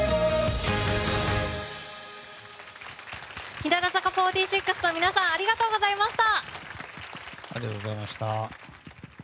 日向坂４６の皆さんありがとうございました。